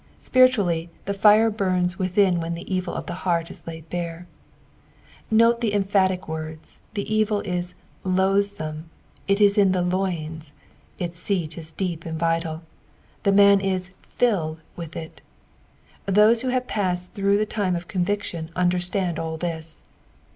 Bpiritually, the fire bums witbin whEQ the evil of the heart is laid bare. Note toe emphatic words, the eril is loathtome, it ia in the hint, its seat is deep and vital—the man is fiUtd with it. Those who have passed through the time of conviction under stand all this.